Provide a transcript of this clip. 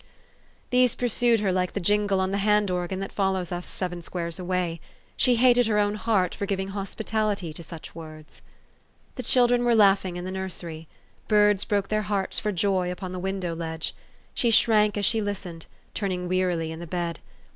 These pursued her like the jingle on the hand organ that follows us seven squares away. She hated her own heart for giving hospitality to such words. The children were laughing in the nursery. Birds broke their hearts for joy upon the window ledge. She shrank as she listened, turning wearily in bed.